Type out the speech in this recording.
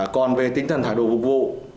còn về tính thần thải đội vụ